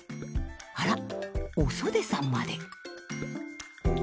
あらっおそでさんまで。